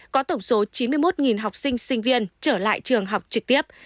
có tổng số chín mươi một học sinh sinh viên trở lại trường học trực tiếp